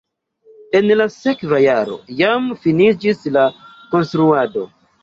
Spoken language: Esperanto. En la sekva jaro jam finiĝis la konstruado.